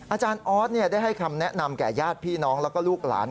อาจารย์ออสได้ให้คำแนะนำแก่ญาติพี่น้องแล้วก็ลูกหลาน